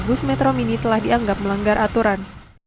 bus metro mini telah dianggap melanggar aturan